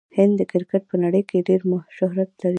هند د کرکټ په نړۍ کښي ډېر شهرت لري.